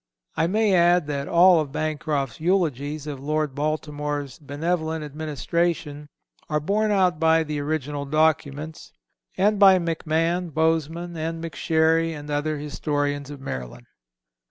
I may add that all of Bancroft's eulogies of Lord Baltimore's benevolent administration are borne out by the original documents, and by McMahon, Bozman and McSherry, and other historians of Maryland.